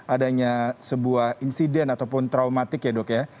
adanya sebuah insiden ataupun traumatik ya dok ya